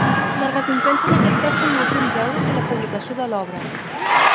La recompensa en aquest cas són nou-cents euros i la publicació de l’obra.